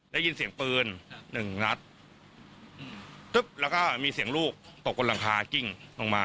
ได้ยินเสียงปืนหนึ่งนัดปุ๊บแล้วก็มีเสียงลูกตกบนหลังคากิ้งลงมา